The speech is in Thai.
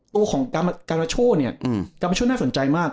ตัวของกาลาโชเนี่ยกามาโชน่าสนใจมาก